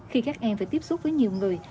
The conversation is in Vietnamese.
khi các em phải tiếp xúc với nhiều người